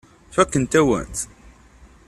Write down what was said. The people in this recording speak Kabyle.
Fakkent-awen-tt.